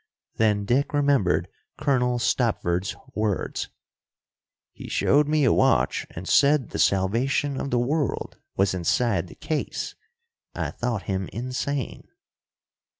Then Dick remembered Colonel Stopford's words: "He showed me a watch and said the salvation of the world was inside the case. I thought him insane."